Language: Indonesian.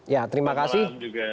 ya terima kasih